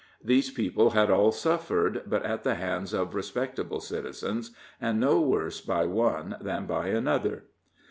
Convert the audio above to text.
These people had all suffered, but at the hands of respectable citizens, and no worse by one than by another.